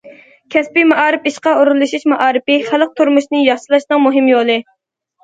كەسپىي مائارىپ ئىشقا ئورۇنلىشىش مائارىپى، خەلق تۇرمۇشىنى ياخشىلاشنىڭ مۇھىم يولى.